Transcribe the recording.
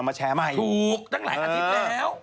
ถูกตั้งหลายอาทิตย์แล้ว